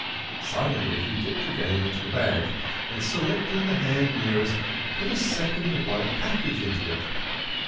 Silently he dipped again into the bag, and, selecting the hand nearest, put a second white package into it.